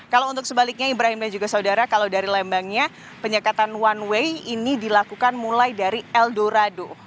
kalau untuk sebaliknya ibrahim dan juga saudara kalau dari lembangnya penyekatan one way ini dilakukan mulai dari eldorado